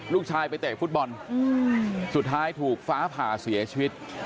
ลูกชายไปเตะฟุตบอลสุดท้ายถูกฟ้าผ่าเสียชีวิต